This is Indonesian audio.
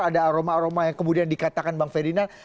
ada aroma aroma yang kemudian dikatakan bang ferdinand